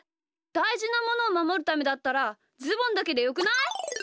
だいじなものをまもるためだったらズボンだけでよくない？